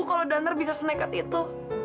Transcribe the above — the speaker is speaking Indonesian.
sampai jumpa di video selanjutnya